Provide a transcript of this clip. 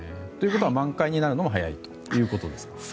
ということは満開になるのも早いということですか。